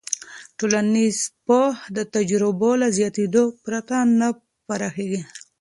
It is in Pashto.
ټولنیز پوهه د تجربو له زیاتېدو پرته نه پراخېږي.